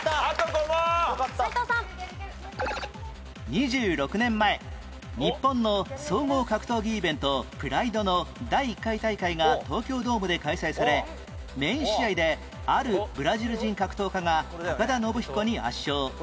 ２６年前日本の総合格闘技イベント「ＰＲＩＤＥ」の第１回大会が東京ドームで開催されメイン試合であるブラジル人格闘家が田延彦に圧勝